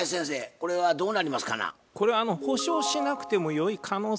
これはどうなりますかな？